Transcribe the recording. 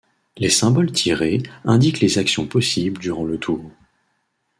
Les symboles tirés indiquent les actions possibles durant le tour.